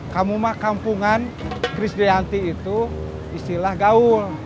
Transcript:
kamu mah kampungan kris dayanti itu istilah gaul